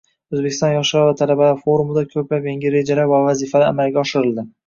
O‘zbekiston yoshlari va talabalari forumida ko‘plab yangi rejalar va vazifalar amalga oshirildi.